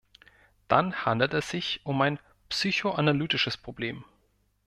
Dann handelt es sich um ein psychoanalytisches Problem.